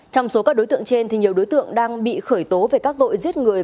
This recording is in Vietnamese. trong số các đối tượng trên nhiều đối tượng đang bị khởi tố về các tội giết người